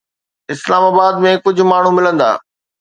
اسلام آباد ۾ ڪجهه ماڻهو ملندا.